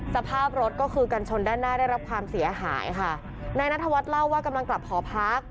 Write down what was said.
สภาพรถก็คือกันชนด้านหน้าได้รับความเสียหายค่ะนายนัทวัฒน์เล่าว่ากำลังกลับหอพัก